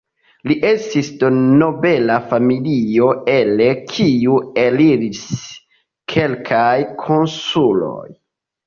Li estis de nobela familio el kiu eliris kelkaj konsuloj.